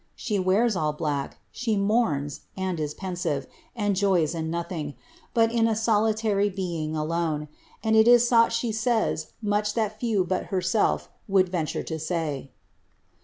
She wears all black ; she mourns, and ■ pensive, and joys In nothing, but in a solitary being alone, and 't is llought she says much that few but herself would venture to say.